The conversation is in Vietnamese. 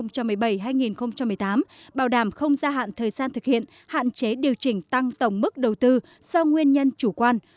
trong năm hai nghìn một mươi tám bảo đảm không gia hạn thời gian thực hiện hạn chế điều chỉnh tăng tổng mức đầu tư do nguyên nhân chủ quan